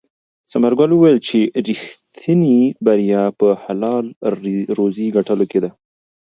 ثمرګل وویل چې ریښتینې بریا په حلاله روزي ګټلو کې ده.